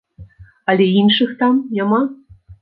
Але іншых там няма!